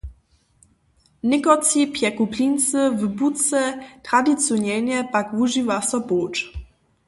Někotři pjeku plincy w butře, tradicionelnje pak wužiwa so połč.